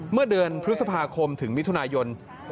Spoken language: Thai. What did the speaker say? เมื่อเดือนพฤษภาคมถึงมิถุนายน